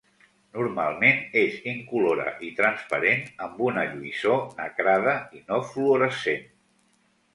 Normalment és incolora i transparent amb una lluïssor nacrada i no fluorescent.